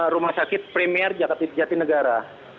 rumah sakit premier jatinegara